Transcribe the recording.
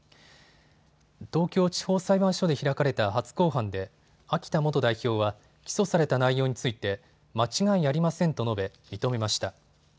東京地方裁判所で開かれた初公判で秋田元代表は起訴された内容について間違いありませんと述べ、認めました。